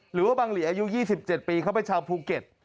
หรือว่าบังหลีอายุ๒๗ปีเขาเป็นชาวภูเก็ต